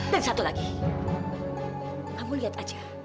dan satu lagi kamu lihat aja